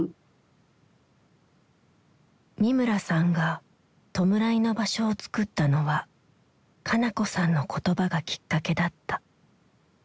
三村さんが弔いの場所をつくったのは香夏子さんの言葉がきっかけだった。